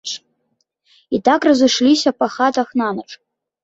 І так разышліся па хатах нанач.